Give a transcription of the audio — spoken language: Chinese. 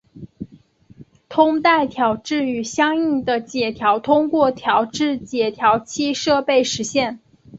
通带调制与相应的解调通过调制解调器设备实现。